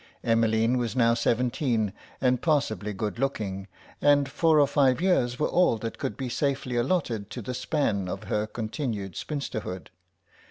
Emmeline was now seventeen and passably good looking, and four or five years were all that could be safely allotted to the span of her continued spinsterhood.